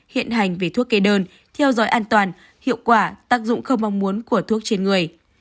hiện hành về thuốc kê đơn theo dõi an toàn hiệu quả tác dụng không mong muốn của thuốc trên người